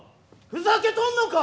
ふざけとんのか！